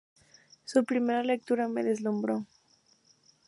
Su primera lectura me deslumbró.